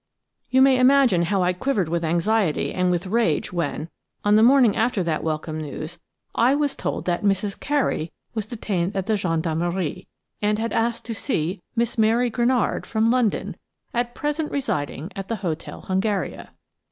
You may imagine how I quivered with anxiety and with rage when, on the morning after that welcome news, I was told that "Mrs. Carey" was detained at the gendarmerie, and had asked to see Miss Mary Granard from London, at present residing at the Hotel Hungaria.